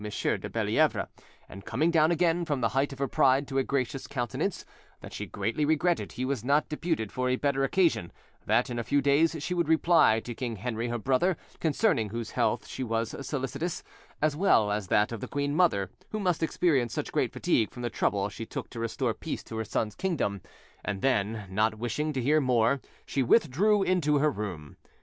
de Bellievre, and coming down again from the height of her pride to a gracious countenance, that she greatly regretted he was not deputed for a better occasion; that in a few days she would reply to King Henry her brother, concerning whose health she was solicitous, as well as that of the queen mother, who must experience such great fatigue from the trouble she took to restore peace to her son's kingdom; and then, not wishing to hear more, she withdrew into her room.